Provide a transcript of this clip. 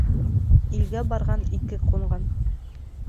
Илгә барған ике ҡунған.